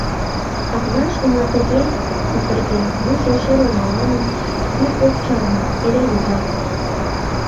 Акнаш уна тыге сусырген, вуйжо шелын ала-мо, вӱр ок чарне, эре йога.